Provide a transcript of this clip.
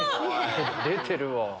出てるわ。